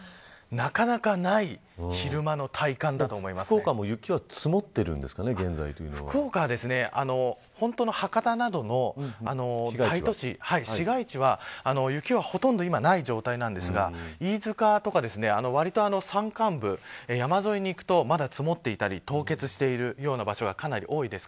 なかなかない福岡も雪は福岡は博多などの大都市、市街地は雪は今、ほとんどない状態ですが飯塚とか山間部、山沿いに行くとまだ積もっていたり凍結しているような場所がかなり多いです。